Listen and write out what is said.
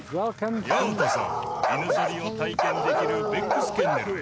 ようこそ犬ぞりを体験できるベックスケンネルへ。